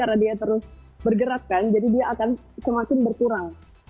karena dia terus bergerakkan jadi dia akan semakin berkurang